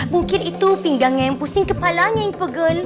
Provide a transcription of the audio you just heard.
mungkin itu pinggangnya yang pusing kepalanya yang pegen